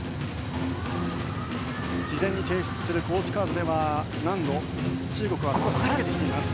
事前に提出するコーチカードでは難度、中国は下げてきています。